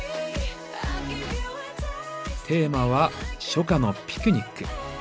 テーマは「初夏のピクニック」。